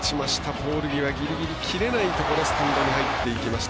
ポール際ギリギリ。切れないところスタンドに入っていきました。